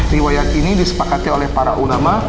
riwayat ini disepakati oleh para ulama